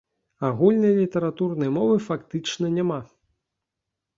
Агульнай літаратурнай мовы фактычна няма.